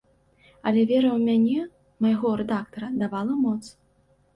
Але вера ў мяне майго рэдактара давала моц.